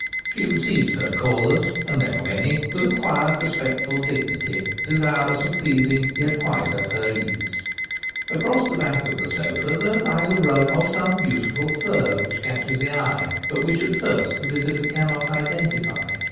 She receives her callers — and they are many — with 2 2 The Gamekeeper at Home. <* a quiet, respectful dignity : desirous of pleasing, yet quite at her ease. Across the back of the sofa there lies a rug of some beautiful fur which catches the eye, but which at first the visitor cannot identify.